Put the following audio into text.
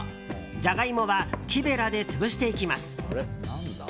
ジャガイモは木べらで潰していきます。